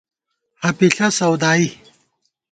ہَپِݪہ سَودائی